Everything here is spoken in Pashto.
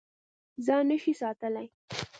ځان نه شې ساتلی.